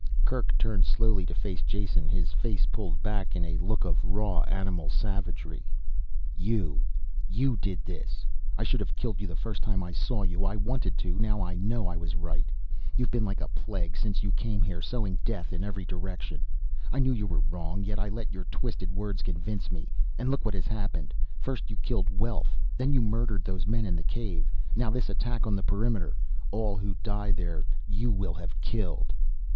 Kerk turned slowly to face Jason, his face pulled back in a look of raw animal savagery. "You ! You did it! I should have killed you the first time I saw you. I wanted to, now I know I was right. You've been like a plague since you came here, sowing death in every direction. I knew you were wrong, yet I let your twisted words convince me. And look what has happened. First you killed Welf. Then you murdered those men in the cave. Now this attack on the perimeter all who die there, you will have killed!"